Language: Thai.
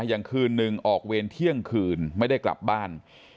อย่างคืนหนึ่งออกเวรเที่ยงคืนไม่ได้กลับบ้าน